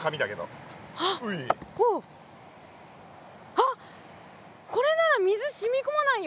あっこれなら水染み込まないよ。